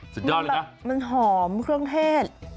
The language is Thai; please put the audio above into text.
ถูเดอดอ่ะมันหอมเครื่องเทศ